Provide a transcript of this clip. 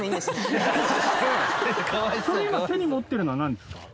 これ今手に持っているのはなんですか？